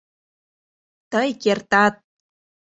Тый кертат.